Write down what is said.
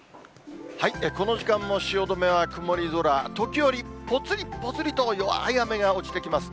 この時間の汐留は曇り空、時折、ぽつりぽつりと弱い雨が落ちてきます。